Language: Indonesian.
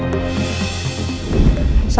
aku mau ke rumah